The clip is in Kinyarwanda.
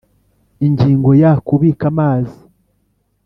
Ingingo ya kubika amazi